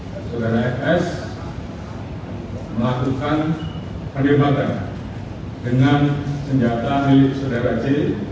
saudara s e melakukan penembakan dengan senjata milik saudara j